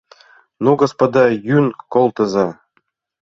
Ну, господа, йӱын колтыза.